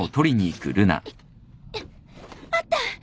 あった！